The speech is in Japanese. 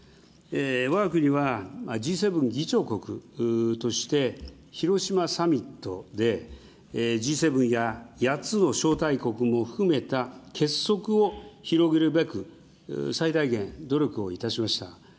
わが国はＧ７議長国として、広島サミットで、Ｇ７や８つの招待国も含めた結束を広げるべく、最大限努力をいたしました。